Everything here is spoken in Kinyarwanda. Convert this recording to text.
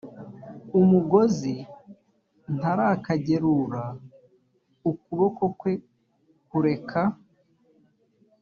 umugozi ntarakagerura ukuboko kwe kureka